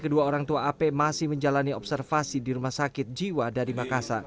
kedua orang tua ap masih menjalani observasi di rumah sakit jiwa dari makassar